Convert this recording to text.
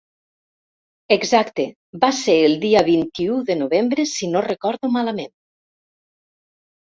Exacte, va ser el dia vint-i-u de novembre si no recordo malament.